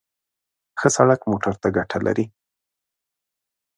ښه سړک موټر ته ګټه لري.